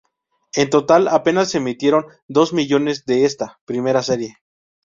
En total apenas se emitieron dos millones de esta primera serie.